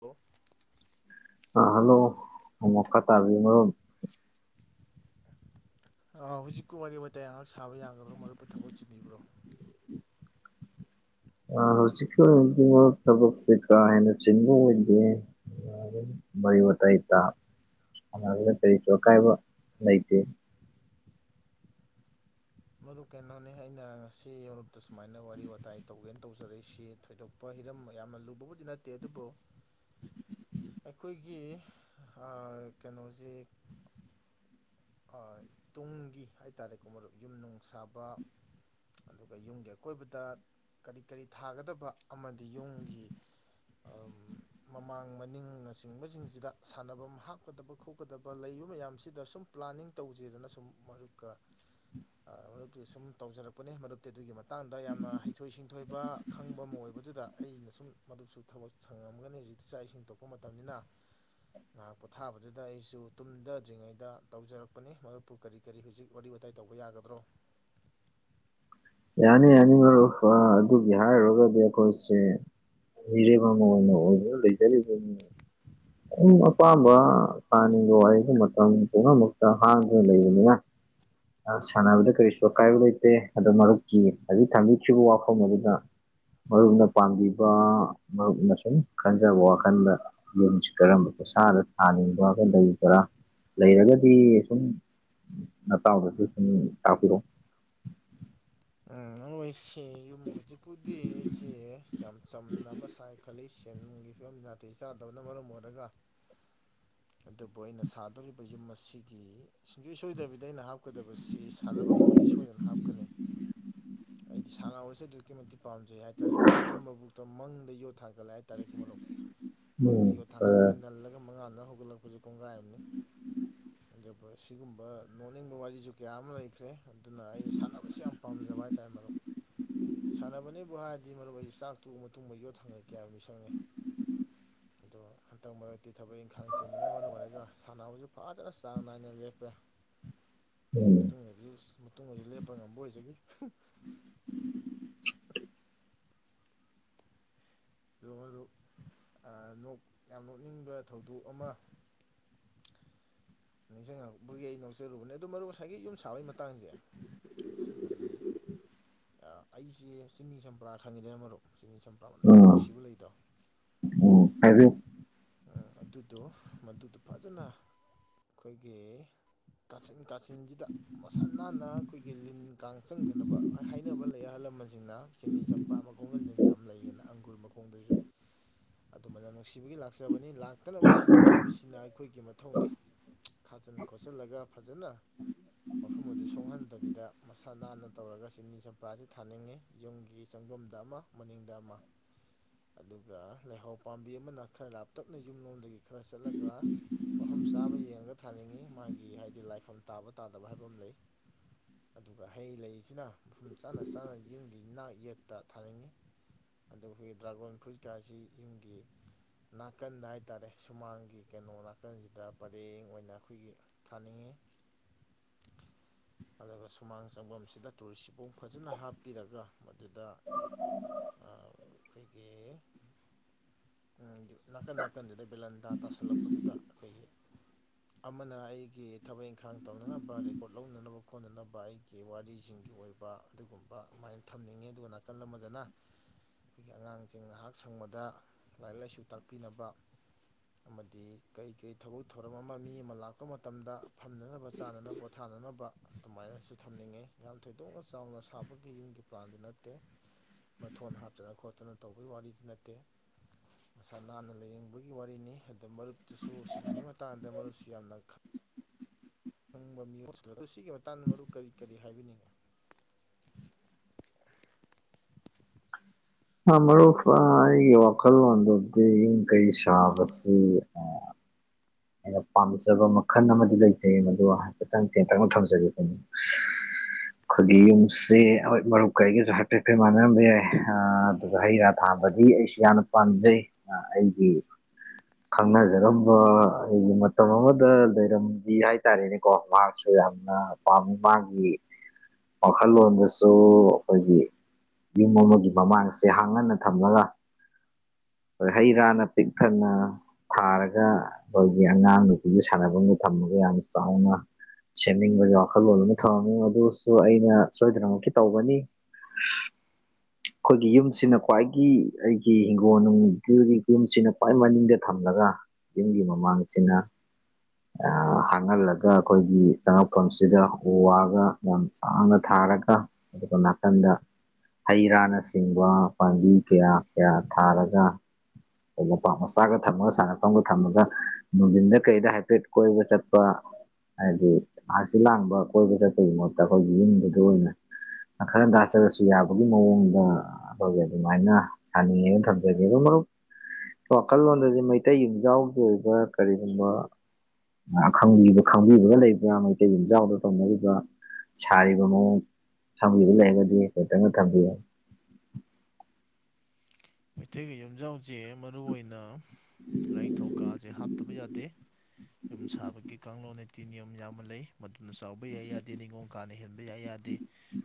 hello ꯑꯥ hello ꯕꯨꯡꯉꯣꯀ ꯇꯥꯕꯤꯕ꯭ꯔꯣ ꯍꯧꯖꯤꯛꯄꯨ ꯋꯥꯔꯤ ꯋꯥꯇꯥꯏ ꯉꯥꯏꯍꯥꯛ ꯁꯥꯕ ꯌꯥꯒꯗ꯭ꯔꯣ ꯃꯔꯨꯞꯄꯨ ꯊꯕꯛ ꯆꯤꯟꯕꯤꯕ꯭ꯔꯣ ꯑ ꯍꯧꯖꯤꯛꯀꯤ ꯑꯣꯏꯅꯗꯤ ꯃꯔꯨꯞ ꯊꯕꯛꯁꯦ ꯀꯥ ꯍꯦꯟꯅ ꯆꯤꯟꯕ ꯑꯣꯏꯗꯦ ꯋꯥꯔꯤ ꯋꯥꯇꯥꯏꯗ ꯁꯥꯟꯅꯕꯗ ꯀꯔꯤꯁꯨ ꯑꯀꯥꯏꯕ ꯂꯩꯇꯦ ꯃꯔꯨꯞ ꯀꯩꯅꯣꯅꯤ ꯑꯩꯅ ꯉꯁꯤ ꯃꯔꯨꯞꯇ ꯁꯨꯃꯥꯏꯅ ꯋꯥꯔꯤ ꯋꯥꯇꯥꯏ ꯇꯧꯒꯦꯅ ꯇꯧꯖꯔꯛꯏꯁꯤ ꯊꯣꯏꯗꯣꯛꯄ ꯍꯤꯔꯝ ꯌꯥꯝꯅ ꯂꯨꯕꯕꯨꯗꯤ ꯅꯠꯇꯦ ꯑꯗꯨꯕꯨ ꯑꯩꯈꯣꯏꯒꯤ ꯑꯥ ꯀꯩꯅꯣꯁꯤ ꯑ ꯇꯨꯡꯒꯤ ꯍꯥꯏꯇꯥꯔꯦꯀꯣ ꯃꯔꯨꯞ ꯌꯨꯝ ꯅꯨꯡ ꯁꯥꯕ ꯑꯗꯨꯒ ꯌꯨꯝꯒꯤ ꯑꯀꯣꯏꯕꯗ ꯀꯔꯤ ꯀꯔꯤ ꯊꯥꯒꯗꯕ ꯑꯃꯗꯤ ꯌꯨꯝꯒꯤ ꯃꯃꯥꯡ ꯃꯅꯤꯡꯅ ꯆꯤꯡꯕꯁꯤꯡꯁꯤꯗ ꯁꯥꯟꯅꯐꯝ ꯍꯥꯞꯀꯗꯕ ꯈꯣꯠꯀꯗꯕ ꯂꯩ ꯃꯌꯥꯝꯁꯤꯗ ꯁꯨꯝ ꯄ꯭ꯂꯥꯟꯅꯤꯡ ꯇꯧꯖꯦꯗꯅ ꯁꯨꯝ ꯃꯔꯨꯞꯀ ꯑ ꯃꯔꯨꯞꯇ ꯁꯨꯝ ꯇꯧꯖꯔꯛꯄꯅꯦ ꯃꯔꯨꯞꯇꯤ ꯑꯗꯨꯒꯤ ꯃꯇꯥꯡꯗ ꯌꯥꯝꯅ ꯍꯩꯊꯣꯏ ꯁꯤꯡꯊꯣꯏꯕ ꯈꯪꯕ ꯑꯃ ꯑꯣꯏꯕ ꯑꯗꯨꯗ ꯑꯩꯅ ꯁꯨꯝ ꯃꯔꯨꯞꯁꯨ ꯊꯕꯛ ꯁꯪꯉꯝꯒꯅꯤ ꯍꯧꯖꯤꯛꯇꯤ ꯆꯥꯛ ꯏꯁꯤꯡ ꯇꯣꯛꯄ ꯃꯇꯝꯅꯤꯅ ꯉꯥꯏꯍꯥꯛ ꯄꯣꯊꯥꯕꯗꯨꯗ ꯑꯩꯁꯨ ꯇꯨꯝꯊꯗ꯭ꯔꯤꯉꯩꯗ ꯇꯧꯖꯔꯛꯄꯅꯤ ꯃꯗꯨꯄꯨ ꯀꯔꯤ ꯀꯔꯤ ꯍꯧꯖꯤꯛ ꯋꯥꯔꯤ ꯋꯥꯇꯥꯏ ꯇꯧꯕ ꯌꯥꯒꯗ꯭ꯔꯣ ꯌꯥꯅꯤ ꯌꯥꯅꯤ ꯑꯗꯨ ꯑꯗꯨ ꯍꯥꯏꯔꯨꯔꯒꯗꯤ ꯑꯨꯈꯣꯏꯁꯦ ꯃꯤꯔꯦꯝ ꯑꯃ ꯑꯣꯏꯅ ꯂꯩꯖꯔꯤ ꯑꯗꯨꯝ ꯑꯄꯥꯝꯕ ꯁꯥꯥꯅꯤꯡꯕ ꯋꯥꯔꯤꯒ ꯃꯇꯝ ꯄꯨꯝꯅꯃꯛꯇ ꯍꯥꯡꯗꯨꯅ ꯂꯩꯕꯅꯤꯅ ꯑ ꯁꯥꯟꯅꯕꯗ ꯀꯔꯤꯁꯨ ꯑꯀꯥꯏꯕ ꯂꯩꯇꯦ ꯑꯗꯣ ꯃꯔꯨꯞ ꯍꯧꯖꯤꯛ ꯊꯝꯕꯤꯈꯤꯕ ꯋꯥꯐꯝ ꯑꯗꯨꯗ ꯃꯔꯨꯞꯅ ꯄꯥꯝꯕꯤꯕ ꯃꯔꯨꯞꯅ ꯁꯨꯝ ꯈꯟꯖꯕ ꯋꯥꯈꯜꯗ ꯌꯦꯡꯁꯤ ꯀꯔꯝꯕꯅ ꯎꯠꯁꯥꯗ ꯊꯥꯅꯤꯡꯕ ꯈ ꯂꯩꯕ꯭ꯔꯥ ꯂꯩꯔꯒꯗꯤ ꯁꯨꯝ ꯅꯇꯥꯎꯗꯁꯨ ꯗꯨꯇꯥꯛꯄꯤꯔꯣ [inaudible] ꯎꯝ ꯅꯣꯏꯁꯤ ꯌꯨꯝ ꯍꯧꯖꯤꯛꯄꯨꯗꯤ ꯑꯩꯁꯦ ꯌꯥꯝ ꯆꯝꯅ ꯑꯃ ꯁꯥꯏ ꯈꯠꯂꯛꯏꯁꯤ ꯦꯟ ꯅꯨꯡꯒꯤ ꯐꯤꯕꯝ ꯅꯥꯇꯩ ꯆꯥꯗꯕꯅ ꯃꯔꯝ ꯑꯣꯏꯔꯒ ꯑꯗꯨꯕꯨ ꯑꯩꯅ ꯁꯥꯗꯧꯔꯤꯕ ꯌꯨꯝ ꯑꯁꯤꯒꯤ ꯁꯤꯡꯁꯣꯏ ꯁꯣꯏꯗꯕꯤꯗ ꯑꯩꯅ ꯍꯥꯞ ꯀꯗꯕꯁꯤ ꯁꯥꯟꯅꯐꯝ ꯑꯃꯗꯤ ꯁꯣꯏꯗꯅ ꯍꯥꯞꯀꯅꯤ ꯑꯩꯗꯤ ꯁꯥꯟꯅꯁꯤ ꯑꯗꯨꯛꯀꯤ ꯃꯇꯤꯛ ꯄꯥꯝꯖꯩ ꯍꯥꯏꯇꯥꯔꯦ ꯃ ꯇꯨꯝꯕꯕꯨꯛꯇꯣ ꯃꯪꯗ ꯌꯣꯠ ꯊꯥꯡꯒꯠꯂꯛꯦ ꯍꯥꯏꯇꯥꯔꯦꯃꯧ ꯃꯪꯗ ꯎꯝ ꯌꯣꯠ ꯊꯥꯡꯒꯠꯂꯒ ꯑ, ꯅꯜꯂꯒ ꯃꯉꯥꯅ ꯍꯧꯒꯠꯂꯛꯄꯁꯨ ꯀꯣꯡꯒꯥꯥꯏꯅꯤ ꯑꯗꯨ ꯁꯤꯒꯨꯝꯕ ꯅꯣꯛꯅꯤꯡꯕ ꯋꯥꯔꯤꯁꯨ ꯀꯌꯥ ꯑꯃ ꯂꯩꯈ꯭ꯔꯦ ꯑꯗꯨꯅ ꯑꯩꯩꯅ ꯁꯥꯟꯅꯕꯁꯦ ꯌꯥꯝ ꯄꯥꯝꯖꯕ ꯍꯥꯏꯇꯥꯔꯦ ꯃꯔꯨꯞ ꯁꯥꯟꯅꯕꯅꯤꯕꯨ ꯍꯥꯏꯔꯗꯤ ꯃꯔꯨꯞꯁꯤ ꯆꯥꯛ ꯇꯨꯕ ꯃꯇꯨꯡꯗ ꯌꯣꯠ ꯊꯪꯉꯛꯀꯦ ꯍꯥꯏꯕ ꯃꯤꯁꯪꯅꯤ ꯑꯗꯣ ꯍꯟꯇꯛ ꯃꯔꯛꯇꯤ ꯊꯕꯛ ꯏꯪꯈꯥꯡ ꯆꯤꯟꯕꯅ ꯃꯔꯝ ꯑꯣꯏꯔꯒ ꯁꯥꯟꯅꯕꯅꯕꯁꯤ ꯐꯖꯅ ꯆꯥꯡ ꯅꯥꯏꯅ ꯂꯦꯞꯄꯦ ꯎꯝ ꯃꯇꯨꯡ ꯑꯗꯨ ꯃꯇꯨꯡꯗꯁꯨ ꯂꯦꯞꯄ ꯉꯝꯕ ꯑꯣꯏꯁꯤꯈꯤ [inaudible] ꯌꯥꯝ ꯅꯣꯛꯅꯤꯡꯕ ꯊꯧꯗꯣꯛ ꯑꯃ ꯅꯤꯡꯁꯤꯡꯉꯛꯄꯒꯤ ꯑꯩ ꯅꯣꯛꯖꯔꯨꯕꯅꯦ ꯑꯗꯨ ꯃꯔꯨꯞ ꯉꯁꯥꯏꯒꯤ ꯌꯨꯝ ꯁꯥꯕꯒꯤ ꯃꯇꯥꯡꯁꯦ ꯁꯤꯁꯤ ꯑꯩꯁꯦ ꯆꯤꯡꯅꯤ ꯆꯝꯄ꯭ꯔꯥ ꯈꯪꯉꯤꯗꯅ ꯃꯔꯨꯞ ꯆꯤ ꯅꯤꯡ ꯁꯝ ꯄ꯭ꯔꯥꯝꯕꯅ ꯌꯥꯝ ꯎꯝ ꯅꯨꯡꯁꯤꯕ ꯂꯩꯗꯣ ꯎꯝ ꯍꯥꯏꯕꯤꯌꯨ ꯑꯗꯨꯗꯣ ꯃꯗꯨꯗꯣ ꯐꯖꯅ ꯑꯩꯈꯣꯏꯒꯤ ꯀꯥꯆꯤꯟ ꯀꯥꯆꯤꯟꯁꯤꯗ ꯃꯁꯥ ꯅꯥꯟꯅ ꯑꯩꯈꯣꯏꯒꯤ ꯂꯤꯟ ꯀꯥꯡ ꯆꯪꯗꯅꯕ ꯍꯥꯏꯅꯕ ꯂꯩ ꯑꯍꯜꯂ ꯁꯤꯡꯅ ꯆꯤꯅꯤ ꯆꯝꯄ ꯑꯃ ꯃꯈ ꯂꯤ ꯌꯥꯝ ꯂꯩꯌꯦꯅ ꯑꯪꯒꯨꯔ ꯃꯈꯣꯡꯗꯁꯨ ꯑꯗꯨꯃꯥꯏꯅ ꯅꯨꯡꯁꯤꯕꯒꯤ ꯂꯥꯛꯆꯕꯅꯤ ꯂꯥꯛꯇꯅꯕ ꯁꯤꯟꯕ ꯍꯥꯏꯕꯁꯤꯅ ꯑꯩꯈꯣꯏꯒꯤ ꯃꯊꯧꯅꯤ ꯈꯥꯆꯟ ꯈꯣꯠꯆꯤꯟꯜꯂꯒ ꯐꯖꯅ ꯃꯐꯝ ꯑꯗꯨ ꯁꯣꯛꯍꯟꯗꯕꯤꯗ ꯃꯁꯥ ꯅꯥꯟꯅ ꯇꯧꯔꯒ ꯆꯤꯅꯤ ꯆꯝꯄ꯭ꯔꯥꯁꯤ ꯊꯥꯅꯤꯡꯉꯤ ꯌꯨꯝꯒꯤ ꯌꯝꯗ ꯑꯃ ꯃꯅꯤꯡꯗ ꯑꯃ ꯑꯗꯨꯒ ꯂꯩꯍꯧ ꯄꯥꯝꯕꯤ ꯑꯃꯅ ꯈꯔ ꯂ ꯇꯞꯅ ꯌꯨꯝꯂꯣꯝꯗꯒꯤ ꯈꯔ ꯆꯠꯂꯒ ꯃꯐꯝ ꯆꯥꯕ ꯌꯦꯡꯉꯒ ꯊꯥꯅꯤꯡꯉꯤ ꯃꯥꯒꯤ ꯍꯥꯏꯗꯤ ꯂꯥꯏꯐꯝ ꯇꯥꯕ ꯇꯥꯗꯕ ꯍꯥꯏꯕ ꯑꯃ ꯂꯩ ꯑꯗꯨꯒ ꯍꯩ ꯂꯩꯁꯤꯅ ꯃꯐꯝ ꯆꯥ ꯆꯥꯅ ꯌꯨꯝꯒꯤ ꯅꯥꯛ ꯌꯦꯠꯇ ꯊꯥꯅꯤꯡꯉꯤ ꯑꯩꯈꯣꯏꯒꯤ ꯗ꯭ꯔꯥꯒꯣꯟ ꯐ꯭ꯔꯨꯏꯠꯀꯥꯁꯤ ꯌꯨꯝꯒꯤ ꯅꯥꯀꯟꯗ ꯍꯥꯏꯇꯥꯔꯦ ꯁꯨꯃꯥꯡꯒꯤ ꯀꯩꯅꯣ ꯅꯥꯀꯟꯁꯤꯗ ꯄꯔꯦꯡ ꯑꯣꯏꯅ ꯑꯩꯈꯣꯏꯒꯤ ꯊꯥꯅꯤꯡꯉꯤ [inaudible] ꯑꯗꯨꯒ ꯁꯨꯃꯥꯡ ꯆꯪꯐꯝꯁꯤꯗ ꯇꯨꯔꯤ ꯁꯤꯄꯨꯡ ꯐꯖꯅ ꯍꯥꯞꯄꯤꯔꯒ ꯃꯗꯨꯗ ꯑꯩꯈꯣꯏꯒꯤ ꯅꯥꯀꯟ ꯅꯥꯀꯟꯁꯤꯗ ꯕꯦꯂꯟꯗꯥ ꯇꯥꯁꯜꯂꯛꯄꯗꯨꯗ ꯀꯈꯩ ꯑꯃꯅ ꯑꯩꯒꯤ ꯊꯕꯛ ꯏꯪꯈꯥꯡ ꯇꯧꯅꯅꯕ ꯔꯦꯀꯣꯔꯠ ꯂꯧꯅꯅꯕ ꯈꯣꯠꯅꯅꯕ ꯑꯩꯒꯤ ꯋꯥꯔꯤꯁꯤꯡꯒꯤ ꯑꯣꯏ ꯑꯣꯏꯕ ꯑꯗꯨꯒꯨꯝꯕ ꯑꯗꯨꯃꯥꯏꯅ ꯊꯝꯅꯤꯡꯉꯤ ꯑꯗꯨꯒ ꯅꯥꯀꯜ ꯑꯃꯗꯅ ꯑꯩꯈꯣꯏꯒꯤ ꯑꯉꯥꯡꯁꯤꯡ ꯉꯥꯏꯍꯥꯛ ꯁꯪꯕꯗ ꯂꯥꯏꯔꯤꯛ ꯂꯥꯏꯁꯨ ꯇꯥꯛꯄꯤ ꯥꯛꯄꯤꯅꯕ ꯑꯃꯗꯤ ꯀꯔꯤ ꯀꯔꯤ ꯊꯕꯛ ꯊꯧꯔꯝ ꯑꯃ ꯃꯤ ꯑꯃ ꯂꯥꯛꯄ ꯃꯇꯝꯗ ꯐꯝꯅꯅꯕ ꯆꯥꯅꯅꯕ ꯄꯣꯠ ꯊꯥꯅꯅꯕ ꯑꯗꯨꯃꯥꯏꯅꯁꯨ ꯊꯝꯅꯤꯡꯉꯦ ꯌꯥꯝ ꯊꯣꯏꯗꯣꯛꯅ ꯆꯥꯎꯅ ꯁꯥꯕꯒꯤ ꯌꯨꯝꯒꯤ ꯄ꯭ꯂꯥꯟꯗꯤ ꯅꯠꯇꯦ ꯃꯊꯣꯟ ꯍꯥꯞꯇꯅ ꯈꯣꯠꯇꯅ ꯇꯧꯕꯒꯤ ꯋꯥꯔꯤꯗꯤ ꯅꯠꯇꯦ ꯅꯥꯟꯅ ꯂꯥꯏꯅꯤꯡꯕꯒꯤ ꯋꯥꯔꯤꯅꯤ ꯑꯗ ꯃꯔꯨꯞꯇꯁꯨ ꯁꯤꯒꯨꯝꯕꯩ ꯃꯇꯥꯡꯗ ꯃꯔꯨꯞꯁꯨ ꯌꯥꯝꯅ [unintelligible] ꯑꯁꯤꯒꯤ ꯃꯇꯥꯡꯗ ꯃꯔꯨꯞ ꯀꯔꯤ ꯀꯔꯤ ꯍꯥꯏꯕꯤꯅꯤꯡꯉꯤ [inaudible] [inaudible] ꯍꯥ ꯃꯔꯨꯞ ꯑꯩꯒꯤ ꯋꯥꯈꯜꯂꯣꯟꯗꯕꯨꯗꯤ ꯌꯨꯝ ꯀꯩ ꯁꯥꯕꯁꯤ ꯑꯩꯅ ꯄꯥꯝꯖꯕ ꯃꯈꯜ ꯑꯃꯗꯤ ꯂꯩꯖꯩ ꯃꯗꯨ ꯍꯥꯏꯐꯦꯠꯇꯪ ꯇꯦꯟꯇꯛꯅ ꯊꯝꯖꯒꯦ ꯑꯩꯈꯣꯏꯒꯤ ꯌꯨꯝꯁꯦ ꯍꯣꯏ ꯃꯔꯨꯞ ꯀꯥ ꯑꯩꯒꯁꯨ ꯍꯥꯏꯐꯦꯠ ꯍꯥꯏꯐꯦꯠ ꯃꯥꯟꯅꯔꯝꯕ ꯌꯥꯏ ꯑ ꯑꯗꯨꯗ ꯍꯩ ꯔꯥ ꯊꯥ ꯗꯤ ꯑꯩꯁꯨ ꯌꯥꯝꯅ ꯄꯥꯝꯖꯩ ꯑꯩꯒꯤ ꯈꯪꯅꯖꯔꯝꯕ ꯑꯩꯈꯣꯏꯒꯤ ꯃꯇꯝ ꯑꯃꯗ ꯂꯩꯔꯝꯕꯤ ꯍꯥꯏꯇꯥꯔꯦꯅꯦꯀꯣ ꯃꯥꯁꯨ ꯌꯥꯝꯅ ꯄꯥꯝꯃꯤ ꯃꯥꯒꯤ ꯋꯥꯈꯜꯂꯣꯟꯗꯁꯨ ꯑꯩꯈꯣꯏꯒꯤ ꯌꯨꯝ ꯑꯃꯒꯤ ꯃꯃꯥꯡꯁꯦ ꯍꯥꯡ ꯍꯟꯅ ꯊꯝꯂꯒ ꯍꯩ ꯔꯥꯅ ꯄꯤꯛ ꯊꯅ ꯊꯥꯔꯒ ꯑꯩꯈꯣꯏꯒꯤ ꯑꯉꯥꯡ ꯅꯨꯄꯤꯒꯤ ꯁꯥꯟꯐꯝꯒ ꯊꯝ ꯌꯥꯝ ꯆꯥꯎꯅ ꯁꯦꯝꯅꯤꯡꯕꯒꯤ ꯋꯥꯈꯜꯂꯣꯟ ꯑꯃ ꯊꯝꯉꯝꯃꯤ ꯑꯗꯨꯁꯨ ꯑꯩꯅ ꯁꯣꯏꯗꯅꯃꯛꯀꯤ ꯇꯧꯒꯅꯤ [inaudible] ꯑꯩꯈꯣꯏꯒꯤ ꯌꯨꯝꯁꯤꯅ ꯈ꯭ꯋꯥꯏꯒꯤ ꯑꯩꯒꯤ ꯍꯤꯡꯒꯣꯟ ꯖꯨꯔꯤ ꯌꯨꯝꯁꯤꯅ ꯈ꯭ꯋꯥꯏ ꯃꯅꯤꯡꯗ ꯊꯝꯂꯒ ꯌꯨꯝꯒꯤ ꯃꯃꯥꯡꯁꯤꯅ ꯍꯥꯡꯍꯜꯂꯒ ꯑꯩꯈꯣꯏꯒꯤ ꯆꯉꯛꯐꯝꯁꯤꯗ ꯎ ꯋꯥꯒ ꯌꯥꯝ ꯁꯥꯡꯅ ꯊ ꯊꯥꯔꯒ ꯑꯗꯨꯒ ꯅꯥꯀꯟꯗ ꯍꯩ ꯔꯥꯅꯆꯤꯡꯕ ꯄꯥꯝꯕꯤ ꯀꯌꯥ ꯀꯌꯥ ꯊꯥꯔꯒ ꯂꯝꯄꯥꯛ ꯃꯆꯥꯒ ꯊꯝꯃꯒ ꯁꯥꯟꯅꯐꯝꯒ ꯊꯝꯃꯒ ꯅꯨꯡꯊꯤꯟꯗ ꯀꯩꯗ ꯍꯥꯏꯐꯦꯠ ꯀꯣꯏꯕ ꯆꯠꯄ ꯍꯥꯏꯗꯤ ꯑꯥꯔꯁꯤ ꯂꯥꯡꯕ ꯀꯣꯏꯕ ꯆꯠꯄꯒꯤ ꯃꯍꯨꯠꯇ ꯑꯩꯈꯣꯏꯒꯤ ꯌꯨꯝꯗꯨꯗ ꯑꯣꯏꯅ ꯈꯔ ꯇꯥꯆꯔꯁꯨ ꯌꯥꯕꯒꯤ ꯃꯑꯣꯡꯗ ꯑꯩꯈꯣꯏꯒꯤ ꯑꯗꯨꯃꯥꯏꯅ ꯁꯥꯅꯤꯡꯉꯦꯅ ꯊꯝꯖꯒꯦ ꯑꯗꯨꯝ ꯃꯔꯨꯞ ꯋꯥꯈꯜꯂꯣꯟꯗꯗꯤ ꯃꯩꯇꯩ ꯌꯨꯝꯖꯥꯎꯒꯤ ꯑꯣꯏꯕ ꯀꯔꯤꯒꯨꯝꯕ ꯈꯪꯕꯤꯕ ꯈꯪꯕꯤꯕꯒ ꯂꯩꯕ꯭ꯔꯥ ꯃꯩꯇꯩ ꯂꯝꯨꯝꯖꯥꯎꯗ ꯇꯧꯅꯔꯤꯕꯥ ꯁꯥꯔꯤꯕ ꯃꯑꯣꯡ ꯊꯝꯂꯤꯕ ꯂꯩꯔꯒꯗꯤ ꯈꯤꯇꯪꯒ ꯊꯝꯕꯤꯌꯨ [inaudible] ꯃꯩꯇꯩꯒꯤ ꯌꯨꯝꯖꯥꯎꯁꯦ ꯃꯔ ꯑꯣꯏꯅ ꯂꯥꯏꯅꯤꯡꯊꯧꯀꯥꯁꯦ ꯍꯥꯞꯇꯕ ꯌꯥꯗꯦ ꯌꯨꯝ ꯁꯥꯕꯒꯤ ꯀꯥꯡꯂꯣꯟꯅꯤꯇꯤ ꯅꯤꯌꯣꯝ ꯌꯥꯝꯅ ꯂꯩ ꯃꯗꯨꯅ ꯆꯥꯎꯕ ꯌꯥꯏ ꯌꯥꯗꯦ ꯅꯤꯉꯣꯜ ꯀꯥꯅ ꯍꯦꯟꯕ ꯌꯥꯏ ꯌꯥꯗꯦ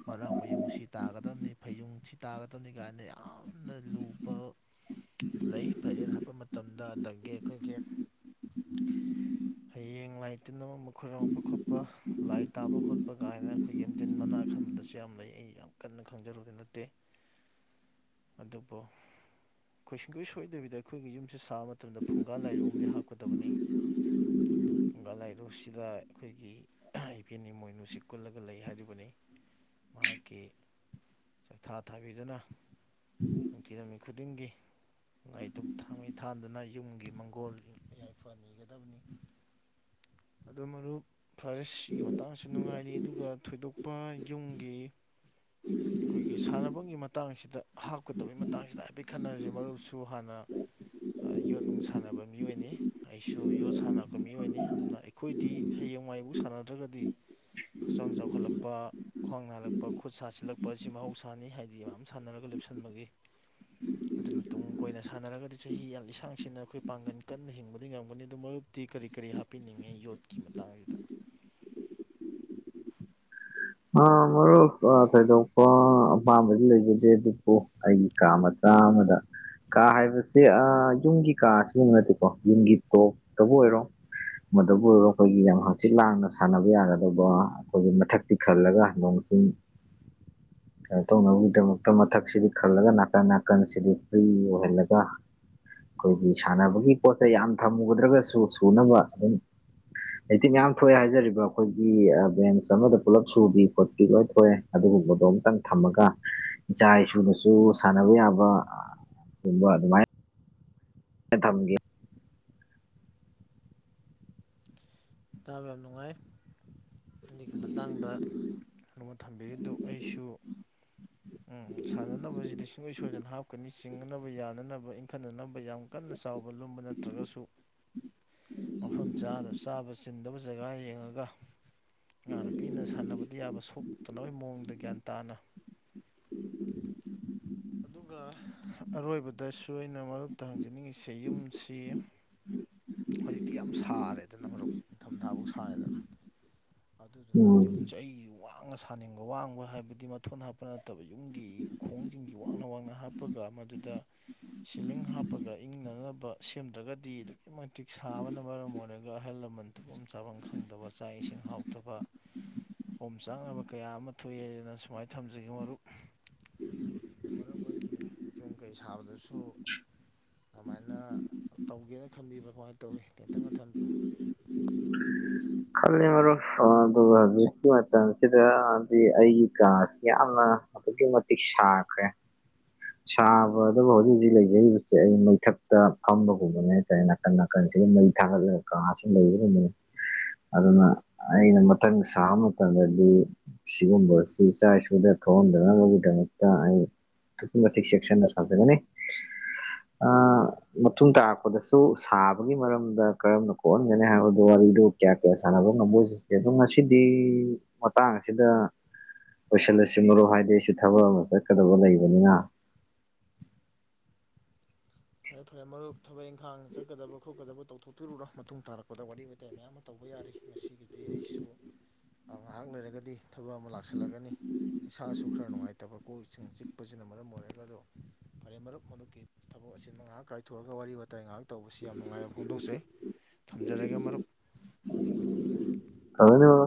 ꯃꯥꯔꯥꯛ ꯃꯌꯨꯡ ꯁꯤ ꯇꯥꯒꯗꯕꯅꯤ ꯐꯩꯌꯨꯡ ꯁꯤ ꯇꯥꯒꯗꯕꯅꯤ ꯀꯥꯏꯅ ꯌꯥꯝꯅ ꯂꯨ ꯂꯨꯕ ꯂꯩ ꯐꯩꯔꯦꯜ ꯍꯥꯞꯄ ꯃꯇꯝꯗ ꯑꯗꯒꯤ ꯑꯩꯈꯣꯏꯒꯤ [inaudible] ꯍꯌꯦꯡ ꯂꯥꯏ ꯇꯤꯟ ꯑꯃ ꯈꯨꯔꯨꯝꯃꯛꯄ ꯈꯣꯠꯄ ꯂꯥꯏ ꯇꯥꯕ ꯈꯣꯠꯄ ꯀꯥꯏꯅ ꯑꯩꯈꯣꯏꯒꯤ ꯑꯦꯝꯇꯤꯟ ꯃꯅꯥ ꯃꯝꯗꯁꯨ ꯌꯥꯝ ꯂꯩ ꯑꯩ ꯌꯥꯝ ꯀꯟꯅ ꯈꯪꯖꯔꯨꯕ ꯅꯠꯇꯦ ꯑꯗꯨꯕꯨ [inaudible] ꯈꯣꯏ ꯁꯨꯡꯒꯣꯏ ꯁꯣꯏꯗꯕꯤꯗ ꯑꯩꯈꯣꯏꯒꯤ ꯌꯨꯝꯁꯤ ꯁꯥꯕ ꯃꯇꯝꯗ ꯐꯨꯡꯒꯥ ꯂꯥꯏꯔꯨ ꯑꯃꯗꯤ ꯍꯥꯞꯀꯗꯕꯅꯤ [inaudible] ꯨꯐꯨꯡꯒꯥ ꯂꯥꯏꯔꯨꯁꯤꯗ ꯑꯩꯈꯣꯏꯒꯤ ꯏꯚꯦꯟ ꯏꯃꯣꯏꯅꯨꯁꯤ ꯀꯨꯜꯂꯒ ꯂꯩ ꯍꯥꯏꯔꯤꯕꯅꯤ ꯃꯍꯥꯛꯀꯤ ꯆꯥꯛꯊꯥ ꯊꯥꯕꯤꯗꯨꯅ ꯅꯤꯡꯊꯤꯅ ꯅꯨꯃꯤꯠ ꯈꯨꯗꯤꯡꯒꯤ ꯂꯥꯏ ꯗꯨꯛ ꯊꯥꯡꯃꯩ ꯊꯥꯟꯗꯨꯅ ꯌꯨꯝꯒꯤ ꯃꯪꯒꯣꯜ ꯌꯥꯏꯐ ꯅꯤꯒꯗꯕꯅꯤ [inaudible] ꯑꯗꯣ ꯃꯔꯨꯞ ꯐꯔꯦꯁꯤꯒꯤ ꯃꯇꯥꯡꯁꯨ ꯅꯨꯡꯉꯥꯏꯔꯤ ꯑꯗꯨꯒ ꯊꯣꯏꯗꯣꯛꯄ ꯌꯨꯝꯒꯤ ꯑꯩꯈꯣꯏꯒꯤ ꯁꯥꯟꯅꯕꯒꯤ ꯃꯇꯥꯡ ꯑꯁꯤꯗ ꯀꯗꯕꯩ ꯃꯇꯥꯡꯁꯤꯗ ꯍꯥꯏꯐꯦꯠ ꯈꯟꯅꯔꯁꯤ ꯃꯔꯨꯞꯁꯨ ꯍꯥꯟꯅ ꯌꯣꯠ ꯅꯨꯡ ꯁꯥꯟꯅꯕ ꯃꯤꯑꯣꯏꯅꯤ ꯑꯩꯁꯨ ꯌꯣꯠ ꯁꯥꯟꯅꯔꯛꯄ ꯃꯤꯑꯣꯏꯅꯤ ꯑꯗꯨꯅ ꯑꯩꯈꯣꯏꯗꯤ ꯍꯌꯦꯡ ꯋꯥꯥꯏꯕꯨꯛ ꯁꯥꯟꯅꯗ꯭ꯔꯒꯗꯤ ꯍꯛꯆꯥꯡ ꯆꯥꯎꯈꯠꯂꯛꯄ ꯈ꯭ꯋꯥꯡ ꯅꯔꯛꯄ ꯈꯨꯠ ꯁꯥꯁꯤꯜꯂꯛꯄ ꯑꯁꯤ ꯃꯍꯧꯁꯥꯅꯤ ꯍꯥꯏꯗꯤ ꯃꯌꯝ ꯁꯥꯟꯅꯔꯒ ꯂꯦꯞꯁꯤꯟ ꯕꯒꯤ ꯑꯗꯨꯅ ꯇꯨꯡ ꯀꯣꯏꯅ ꯁꯥꯟꯅꯔꯒꯗꯤ ꯆꯍꯤ ꯂꯤꯁꯥꯡꯁꯤꯠꯅ ꯑꯩꯈꯣꯏ ꯄꯥꯡꯒꯟ ꯀꯟꯅ ꯍꯤꯡꯕꯗꯤ ꯉꯝꯒꯅꯤ ꯑꯗꯨ ꯃꯔꯨꯞ ꯀꯔꯤ ꯀꯔꯤ ꯍꯥꯞꯄꯤꯅꯤꯡꯉꯤ ꯌꯣꯠꯀꯤ ꯃꯇꯥꯡꯁꯤꯗ ꯑ ꯃꯔꯨꯞ ꯑ ꯊꯣꯏꯗꯣꯛꯄ ꯑꯄꯥꯝꯕꯗꯤ ꯂꯩꯖꯗꯦ ꯑꯗꯨꯕꯨ ꯑꯩꯒꯤ ꯀꯥ ꯃꯆꯥ ꯆꯝꯃꯗ ꯀꯥ ꯍꯥꯏꯕꯁꯦ ꯑ ꯌꯨꯝꯒꯤ ꯀꯥ ꯁꯤꯕꯨ ꯅꯠꯇꯦꯀꯣ ꯌꯨꯝꯒꯤ ꯇꯣꯞꯇꯕꯨ ꯑꯣꯏꯔꯣ ꯃꯗꯕꯨ ꯑꯣꯏꯔꯣ ꯑꯩꯈꯣꯏꯒꯤ ꯌꯥꯝ ꯍꯪꯆꯤꯛ ꯂꯥꯡꯅ ꯁꯥꯟꯅꯕ ꯌꯥꯒꯗꯧꯕ ꯑꯩꯈꯣꯏꯒꯤ ꯃꯊꯛ ꯈꯜꯂꯒ ꯅꯣꯡꯆꯤꯡ [inaudible] ꯀꯩꯅꯣ ꯇꯧꯅꯕꯒꯤꯗꯃꯛꯇ ꯃꯊꯛꯁꯤꯗꯤ ꯈꯜꯂꯒ ꯅꯥꯀꯟ ꯅꯥꯀꯟꯁꯤꯗꯤ ꯐ꯭ꯔꯤ ꯑꯣꯏꯍꯜꯂꯒ ꯑꯩꯈꯣꯏꯒꯤ ꯁꯥꯟꯅꯕꯒꯤ ꯄꯣꯠꯆꯩ ꯌꯥꯝ ꯊꯝꯃꯨꯗ꯭ꯔꯒꯁꯨ ꯁꯨꯅꯕ ꯑꯗꯨꯝ ꯍꯩꯇꯤ ꯃꯌꯥꯝ ꯊꯣꯛꯑꯦ ꯍꯥꯏꯖꯔꯤꯕ ꯑꯩꯈꯣꯏꯒꯤ ꯕꯦꯟꯁ ꯑꯃꯒ ꯄꯨꯂꯞ ꯁꯨꯕꯤ ꯈꯣꯠꯄꯤ ꯂꯣꯏ ꯊꯣꯛꯑꯦ ꯑꯗꯨꯒꯨꯝꯕꯗꯣ ꯑꯃꯨꯇꯪ ꯊꯝꯃꯒ ꯏꯆꯥ ꯏꯁꯨꯅꯁꯨ ꯁꯥꯟꯅꯕ ꯌꯥꯕ ꯒꯨꯝꯕ ꯑꯗꯨꯃꯥꯏꯅ ꯊꯝꯒꯦ ꯇꯥꯕ ꯌꯥꯝ ꯅꯨꯡꯉꯥꯏ ꯑꯗꯨꯒꯤ ꯃꯇꯥꯡꯗ ꯑꯗꯣꯝꯅ ꯊꯝꯕꯤꯔꯤꯗꯨ ꯑꯩꯁꯨ ꯎ ꯁꯥꯟꯅꯅꯕꯁꯤꯗꯤ ꯁꯨꯡꯁꯣꯏ ꯁꯣꯏꯗꯅ ꯍꯥꯞꯀꯅꯤ ꯆꯤꯡꯅꯅꯕ ꯌꯥꯅꯅꯕ ꯏꯟꯈꯠꯅꯅꯕ ꯌꯥꯝ ꯀꯟꯅ ꯅ ꯆꯥꯎꯕ ꯂꯨꯝꯕ ꯅꯠꯇ꯭ꯔꯁꯨ ꯃꯐꯝ ꯆꯥꯅ ꯆꯥꯕ ꯆꯤꯟꯗꯕ ꯖꯒꯥ ꯌꯦꯡꯉꯒ ꯏꯉꯥꯡ ꯅꯨꯨꯄꯤꯅ ꯁꯥꯟꯅꯕꯗꯤ ꯌꯥꯕ ꯁꯣꯛꯇꯅꯕꯒꯤ ꯃꯑꯣꯡꯗ ꯒ꯭ꯌꯥꯟ ꯇꯥꯅ [inaudible] ꯑꯗꯨꯒ ꯑꯔꯣꯏꯕꯗꯁꯨ ꯑꯩꯅ ꯃꯔꯨꯞꯇ ꯍꯪꯖꯅꯤꯡꯉꯤꯁꯦ ꯌꯨꯝꯁꯤ ꯍꯧꯖꯤꯛꯇꯤ ꯌꯥꯝ ꯁꯥꯔꯦꯗꯅ ꯃꯔꯨꯞ ꯅꯤꯡꯊꯝꯊꯥꯐꯧ ꯁꯥꯔꯦꯗꯅ ꯑꯗꯨꯗꯨꯅ ꯎꯝ ꯌꯨꯝꯁꯦ ꯑꯩ ꯋꯥꯡꯅ ꯁꯥꯅꯤꯡꯕ ꯋꯥꯡꯕ ꯍꯥꯏꯕꯗꯤ ꯃꯊꯣꯟ ꯍꯥꯞꯄ ꯅꯠꯇꯕ ꯌꯨꯝꯒꯤ ꯎꯈꯣꯡꯁꯤꯡꯁꯤ ꯋꯥꯡꯅ ꯋꯥꯡꯅ ꯍꯥꯞꯄꯒ ꯃꯗꯨꯗ ꯁꯤꯂꯤꯡ ꯍꯥꯞꯄꯒ ꯏꯪꯅꯅꯕ ꯁꯦꯝꯗ꯭ꯔꯒꯗꯤ ꯑꯗꯨꯛꯀꯤ ꯃꯇꯤꯛ ꯁꯥꯕꯅ ꯃꯔꯝ ꯑꯣꯏꯔꯒ ꯑꯍꯜ ꯂꯕ ꯃꯟ ꯇꯨꯝꯐꯝ ꯆꯥꯐꯝ ꯈꯪꯗꯕ ꯆꯥꯛ ꯏꯁꯤꯡ ꯍꯥꯎꯇꯕ ꯑꯣꯝ ꯆꯥꯛꯅꯕ ꯀꯌꯥ ꯑꯃ ꯊꯣꯛꯑꯦꯗꯅ ꯁꯨꯃꯥꯏꯅ ꯊꯝꯖꯒꯦ ꯃꯔꯨꯞ ꯃꯔꯨꯞꯍꯣꯏꯒꯤ ꯌꯨꯝ ꯀꯩ ꯁꯥꯕꯗꯁꯨ ꯀꯃꯥꯏꯅ ꯇꯧꯒꯦꯅ ꯈꯟꯕꯤꯕ ꯀꯃꯥꯏꯅ ꯇꯧꯋꯤ ꯇꯦꯟꯇꯛꯅ ꯊꯝꯕꯤꯌꯨ [inaudible] ꯈꯜꯂꯦ ꯃꯔꯨꯞ ꯑꯗꯨꯒ ꯍꯧꯖꯤꯛꯀꯤ ꯃꯇꯝꯁꯤꯗ ꯗꯤ ꯑꯩꯒꯤ ꯀꯥꯁꯤ ꯌꯥꯝꯅ ꯑꯗꯨꯛꯀꯤ ꯃꯇꯤꯛ ꯁꯥꯈ꯭ꯔꯦ ꯁꯥꯕꯗꯕꯨ ꯍꯧꯖꯤꯛ ꯍꯧꯖꯤꯛ ꯂꯩꯖꯔꯤꯕꯁꯦ ꯑꯩ ꯃꯩꯊꯛꯇ ꯐꯝꯕꯒꯨꯝꯕꯅꯦ ꯍꯥꯏꯇꯥꯔꯦ ꯅꯥꯀꯟ ꯅꯥꯀꯟ ꯑꯁꯤꯗꯩ ꯃꯩ ꯊꯥꯒꯠꯂꯒ ꯀꯥꯁꯤꯗ ꯂꯩ ꯉꯝꯕꯅꯤ [unintelligible] [inaudible] ꯑꯗꯨꯅ ꯑꯩꯅ ꯃꯊꯪ ꯁꯥꯕ ꯃꯇꯝꯗꯗꯤ ꯁꯤꯒꯨꯝꯕꯁꯤ ꯏꯆꯥ ꯏꯁꯨꯗ ꯊꯣꯛꯍ [unintelligible] ꯑꯩ ꯑꯗꯨꯛꯀꯤ ꯃꯇꯤꯛ ꯆꯦꯛꯁꯟꯅ ꯁꯥꯖꯒꯅꯤ ꯑꯥ ꯃꯇꯨꯡ ꯇꯥꯔꯛꯄꯗꯁꯨ ꯁꯥꯕꯒꯤ ꯃꯔꯝꯗ ꯀꯔꯝꯅ ꯀꯣꯛꯍꯟꯒꯅꯤ ꯍꯥꯏꯕꯗꯨ ꯋꯥꯔꯤ ꯗꯨ ꯀꯌꯥ ꯀꯌꯥ ꯁꯥꯟꯅꯕ ꯉꯝꯕꯑꯣꯏꯁꯤ ꯑꯗꯣ ꯉꯁꯤꯗꯤ ꯃꯇꯥꯡ ꯑꯁꯤꯗ ꯂꯣꯏꯁꯤꯜꯂꯁꯤ ꯃꯔꯨꯞ ꯍꯥꯏꯗꯤ ꯑꯩꯁꯨ ꯊꯕꯛ ꯑꯃ ꯆꯠꯀꯗꯕ ꯂꯩꯕꯅꯤꯅ [inaudible] ꯐꯔꯦ ꯐꯔꯦ ꯃꯔꯨꯞ ꯊꯕꯛ ꯏꯪꯈꯥꯡ ꯆꯠꯀꯗꯕ ꯈꯣꯠꯀꯗꯕ ꯇꯧꯊꯣꯛꯄꯤꯔꯨꯔꯣ ꯃꯇꯨꯡ ꯇꯥꯔꯛꯄꯗ ꯋꯥꯔꯤ ꯋꯥꯇꯏ ꯃꯌꯥꯝ ꯑꯃ ꯇꯧꯕ ꯌꯥꯔꯤ ꯉꯁꯤꯒꯤꯗꯤ ꯑꯩꯁꯨ ꯉꯥꯏꯍꯥꯛ ꯂꯩꯔꯒꯗꯤ ꯊꯕꯛ ꯑꯃ ꯂꯥꯛꯁꯜꯂꯒꯅꯤ ꯏꯁꯥꯁꯨ ꯈꯔ ꯅꯨꯡꯉꯥꯏꯇꯕ ꯀꯣꯛ ꯏꯁꯤꯡ ꯆꯤꯛꯄꯁꯤꯅ ꯃꯔꯝ ꯑꯣꯏꯔꯒ ꯑꯗꯣ ꯐꯔꯦ ꯃꯔꯨꯞ ꯃꯔꯨꯞꯀꯤ ꯊꯕꯛ ꯆꯤꯟꯕ ꯃꯉꯥ ꯀꯥꯏꯊꯣꯛꯑꯒ ꯋꯥꯔꯤ ꯋꯥꯇꯏ ꯉꯥꯏꯍꯥꯛ ꯇꯧꯕꯁꯤ ꯌꯥꯝ ꯅꯨꯡꯉꯥꯏꯕ ꯐꯣꯡꯗꯣꯛꯆꯩ ꯊꯝꯖꯔꯒꯦ ꯃꯔꯨꯞ ꯐꯔꯦꯅꯦ ꯃꯔꯨꯞ